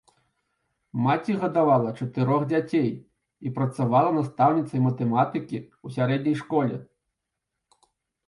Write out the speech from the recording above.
Маці гадавала чатырох дзяцей і працавала настаўніцай матэматыкі ў сярэдняй школе.